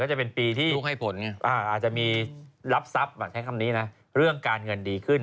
ก็จะเป็นปีที่อาจจะมีรับทรัพย์มาใช้คำนี้นะเรื่องการเงินดีขึ้น